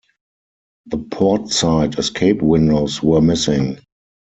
The port-side escape windows were missing.